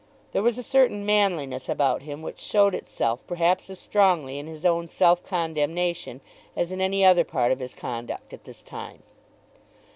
There was a certain manliness about him which showed itself perhaps as strongly in his own self condemnation as in any other part of his conduct at this time.